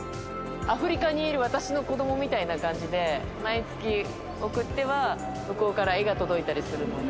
アフリカにいる私の子どもみたいな感じで、毎月、送っては、向こうから絵が届いたりするので。